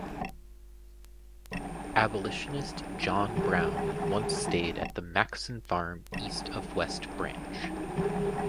Abolitionist John Brown once stayed at the Maxson farm east of West Branch.